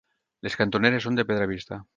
Les cantoneres són de pedra vista.